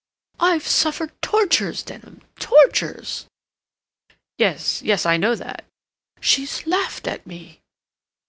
"I've suffered tortures, Denham, tortures!" "Yes, yes, I know that." "She's laughed at me."